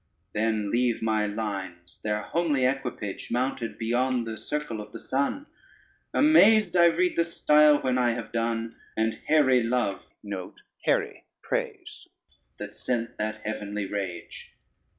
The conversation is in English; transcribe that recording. Then leave my lines their homely equipage, Mounted beyond the circle of the sun: Amazed I read the stile when I have done, And hery love that sent that heavenly rage.